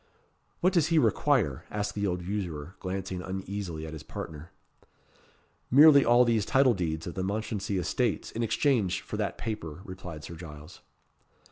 "What does he require?" asked the old usurer, glancing uneasily at his partner. "Merely all these title deeds of the Mounchensey estates in exchange for that paper," replied Sir Giles.